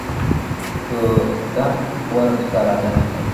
دا درک ور سره نشته